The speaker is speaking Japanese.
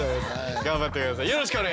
頑張って下さい。